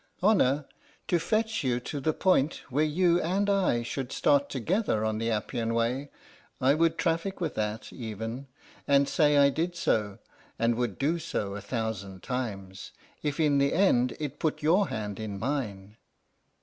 Honour? To fetch you to the point where you and I should start together on the Appian Way, I would traffic with that, even, and say I did so, and would do so a thousand times, if in the end it put your hand in mine.